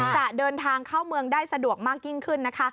จะเดินทางเข้าเมืองได้สะดวกมากยิ่งขึ้นนะคะ